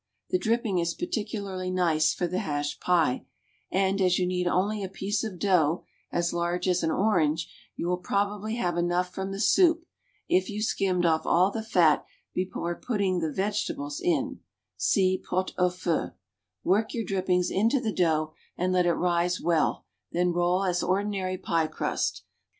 The dripping is particularly nice for the hash pie, and, as you need only a piece of dough as large as an orange, you will probably have enough from the soup, if you skimmed off all the fat before putting the vegetables in (see pot au feu); work your dripping into the dough, and let it rise well, then roll as ordinary pie crust.